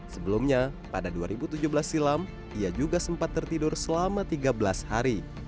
sebelumnya pada dua ribu tujuh belas silam ia juga sempat tertidur selama tiga belas hari